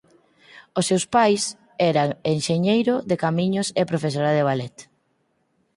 Os seus pais eran enxeñeiro de camiños e profesora de ballet.